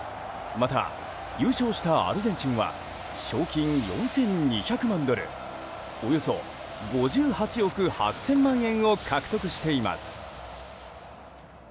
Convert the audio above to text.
また、優勝したアルゼンチンは賞金４２００万ドルおよそ５８億８０００万円を獲得しています。